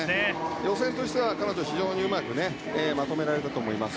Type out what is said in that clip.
予選としては彼女は非常にうまくまとめられたと思います。